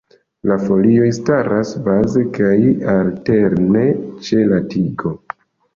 La folioj staras baze kaj alterne ĉe la tigo.